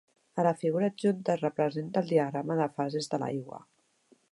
A la figura adjunta es representa el diagrama de fases de l'aigua.